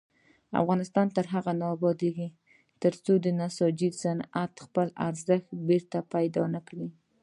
افغانستان تر هغو نه ابادیږي، ترڅو د نساجي صنعت خپل ارزښت بیرته پیدا نکړي.